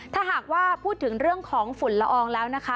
ถ้าหากว่าพูดถึงเรื่องของฝุ่นละอองแล้วนะคะ